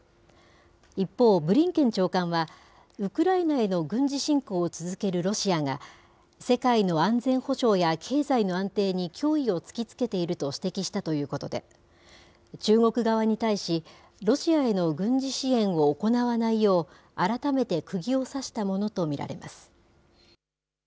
一方、ブリンケン長官は、ウクライナへの軍事侵攻を続けるロシアが、世界の安全保障や経済の安定に脅威を突きつけていると指摘したということで、中国側に対し、ロシアへの軍事支援を行わないよう、改めてくぎを刺したものと見られます。